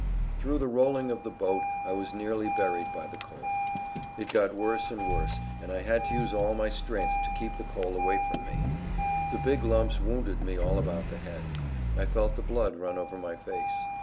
Through the rolling of the boat I was nearly buried[Pg 191] by the coal. It got worse and worse, and I had to use all my strength to keep the coal away from me. The big lumps wounded me all about the head; I felt the blood run over my face.